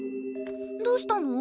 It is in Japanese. どうしたの？